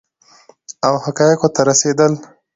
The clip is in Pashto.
او حقایقو ته رسیدل